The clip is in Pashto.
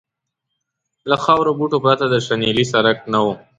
له خارو بوټو پرته د شنیلي څرک نه و.